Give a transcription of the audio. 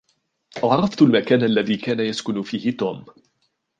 عرفت المكان الذي كان يسكن فيه توم.